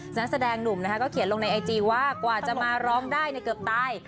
นักแสดงหนุ่มนะคะก็เขียนลงในไอจีว่ากว่าจะมาร้องได้เกือบตาย